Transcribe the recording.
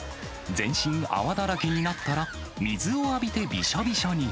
全身泡だらけになったら、水を浴びてびしょびしょに。